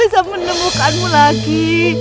tio senang bisa menemukanmu lagi